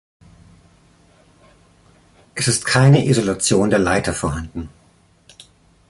Es ist keine Isolation der Leiter vorhanden.